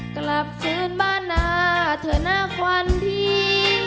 กลับถึงบ้านหน้าเธอน่ะควันที่